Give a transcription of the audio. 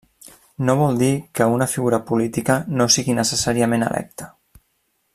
No vol dir que una figura política no sigui necessàriament electa.